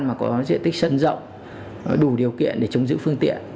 mà có diện tích sân rộng có đủ điều kiện để chống giữ phương tiện